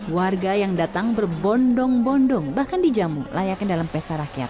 warga yang datang berbondong bondong bahkan dijamu layaknya dalam pesta rakyat